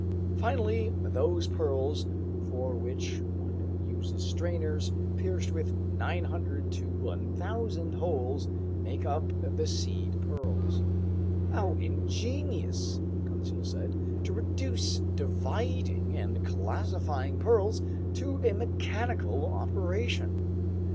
Finally, those pearls for which one uses strainers pierced with 900 to 1,000 holes make up the seed pearls." "How ingenious," Conseil said, "to reduce dividing and classifying pearls to a mechanical operation.